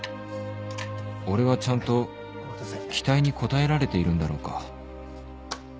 俺はちゃんと期待に応えられているんだろうか